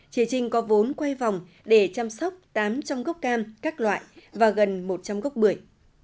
chị trinh có vốn quay vòng để chăm sóc tám trăm linh gốc cam các loại và gần một trăm linh gốc bưởi